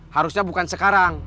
harusnya bukan sekarang